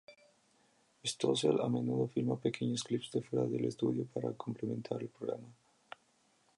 Stossel a menudo filma pequeños clips de fuera del estudio para complementar el programa.